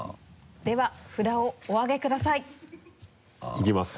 では札をお上げください。いきます。